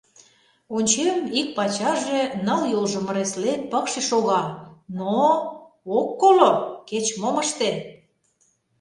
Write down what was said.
Ончем: ик пачаже, ныл йолжым ыреслен, пыкше шога, но... ок коло, кеч-мом ыште!